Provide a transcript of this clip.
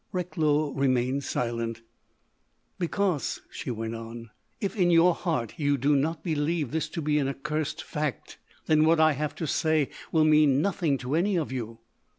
Recklow remained silent. "Because," she went on, "if, in your heart, you do not believe this to be an accursed fact, then what I have to say will mean nothing to any of you."